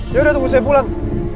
yaudah tunggu saya pulang